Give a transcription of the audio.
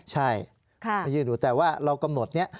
ใช่อยู่อยู่แต่ว่าเรากำหนดนี้